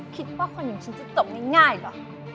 คิดว่าคนอย่างฉันจะตกง่ายเหรอ